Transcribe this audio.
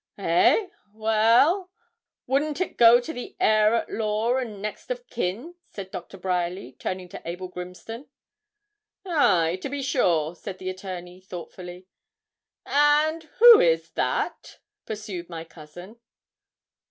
'Eh? Well wouldn't it go to the heir at law and next of kin?' said Doctor Bryerly, turning to Abel Grimston. 'Ay to be sure,' said the attorney, thoughtfully. 'And who is that?' pursued my cousin.